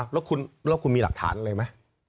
แล้วคุณมีหลักฐานอะไรไหม